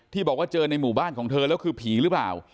บอกว่าเจอในหมู่บ้านของเธอแล้วคือผีหรือเปล่า